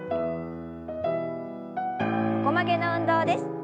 横曲げの運動です。